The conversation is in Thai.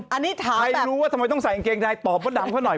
ใครรู้ว่าทำไมต้องใส่อังเกงใดตอบว่าดำเข้าหน่อย